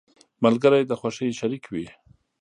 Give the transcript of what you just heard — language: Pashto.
• ملګری د خوښۍ شریك وي.